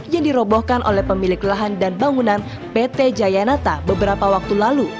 yang dirobohkan oleh pemilik lahan dan bangunan pt jayanata beberapa waktu lalu